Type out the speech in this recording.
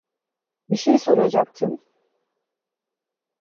Bir şey soracaktım.